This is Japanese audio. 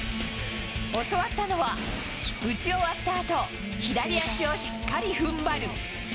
教わったのは、打ち終わったあと、左足をしっかりふんばる。